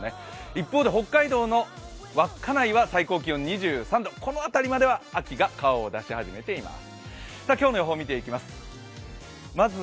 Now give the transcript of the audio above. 一方で北海道の稚内は最高気温２３度、この辺りは秋の顔がのぞき始めています。